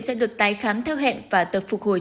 sẽ được tái khám theo hẹn và tập phục hồi